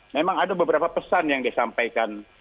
memang ada beberapa pesan yang disampaikan